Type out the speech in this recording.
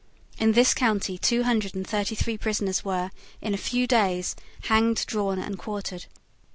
In this county two hundred and thirty three prisoners were in a few days hanged, drawn, and quartered.